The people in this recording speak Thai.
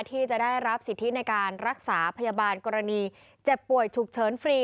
ที่จะได้รับสิทธิในการรักษาพยาบาลกรณีเจ็บป่วยฉุกเฉินฟรี